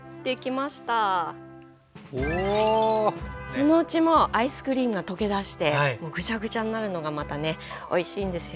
そのうちアイスクリームが溶けだしてぐちゃぐちゃになるのがまたねおいしいんですよね。